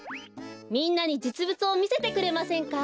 みんなにじつぶつをみせてくれませんか？